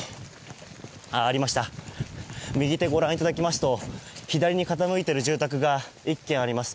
右手ご覧いただきますと左に傾いている住宅が１軒あります。